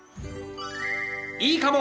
いいかも！